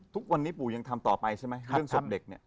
ทุกวันนี้ปู่ยังทำต่อไปใช่ไหมเรื่องศพเด็กเนี่ย